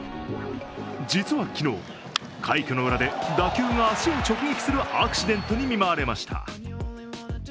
実は昨日、快挙の裏で打球が足に直撃するアクシデントに見舞われました。